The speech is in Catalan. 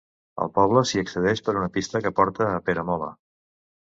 Al poble s'hi accedeix per una pista que porta a Peramola.